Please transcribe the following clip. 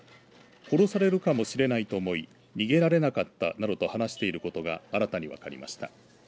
殺されるかもしれないと思い逃げられなかったなどと話していることが新たに分かりました。